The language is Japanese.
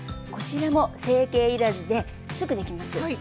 こちらも成形いらずですぐできます。